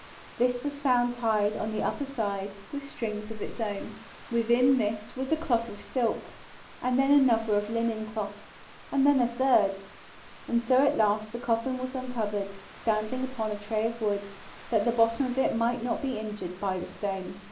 This was found tied on the upper side with strings of its own. Within this was a cloth of silk, and then another linen cloth, and then a third. And so at last the coffin was uncovered, standing upon a tray of wood, that the bottom of it might not be injured by the stone.